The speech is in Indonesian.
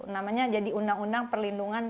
namanya jadi undang undang perlindungan